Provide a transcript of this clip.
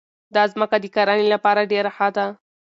دا ځمکه د کرنې لپاره ډېره ښه ده.